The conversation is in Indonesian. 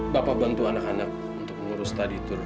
bapak bantu anak anak untuk mengurus study tour